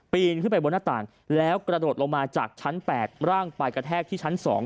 นขึ้นไปบนหน้าต่างแล้วกระโดดลงมาจากชั้น๘ร่างไปกระแทกที่ชั้น๒